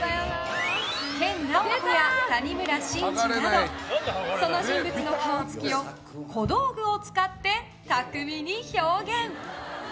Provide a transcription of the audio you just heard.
研ナオコや谷村新司などその人物の顔つきを小道具を使って巧みに表現。